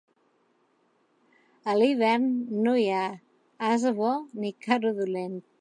A l'hivern no hi ha ase bo ni carro dolent.